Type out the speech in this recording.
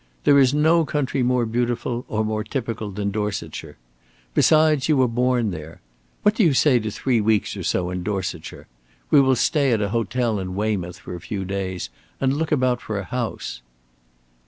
There is no country more beautiful or more typical than Dorsetshire. Besides, you were born there. What do you say to three weeks or so in Dorsetshire? We will stay at an hotel in Weymouth for a few days and look about for a house."